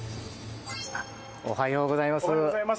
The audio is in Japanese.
おはようございます。